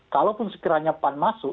kalaupun sekiranya pan masuk